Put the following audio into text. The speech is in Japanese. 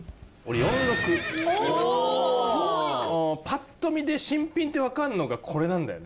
パッと見で新品ってわかるのがこれなんだよね。